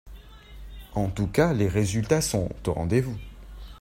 En tout cas, les résultats sont au rendez-vous.